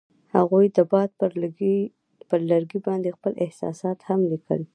هغوی د باد پر لرګي باندې خپل احساسات هم لیکل.